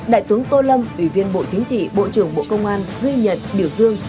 đại tướng tô lâm ủy viên bộ chính trị bộ trưởng bộ công an ghi nhận biểu dương